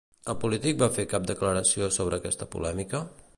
El polític va fer cap declaració sobre aquesta polèmica?